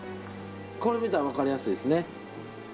これ見たら分かりやすいですね。